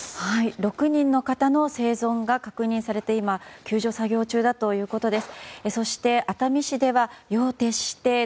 ６人の方の生存が確認されて今、救助作業中だということです。